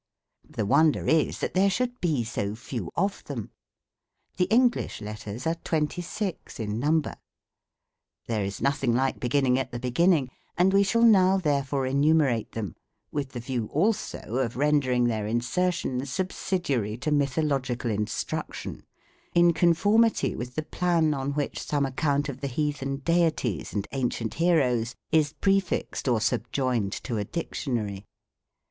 The wonder is that there should be so few of them. The English letters are twenty six in number. There is nothing like begin ning at the begiiining ; and we shall now therefore enumerate them, with the view also of rendering their insertion subsidiary to mythological instruction, in conformity with the plan on which some account of the Heathen Deities and ancient heroes is prefixed or subjoined to a Dictionary.